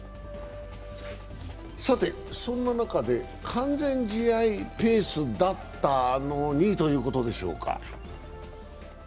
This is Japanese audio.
そんな中で完全試合ペースだったのにということでしょうか。